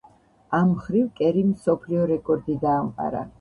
ამ მხრივ კერიმ მსოფლიო რეკორდი დაამყარა.